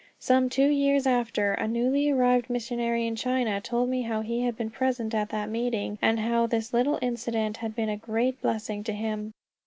Some two years after, a newly arrived missionary in China told me he had been present at that meeting, and how this little incident had been a great blessing to him.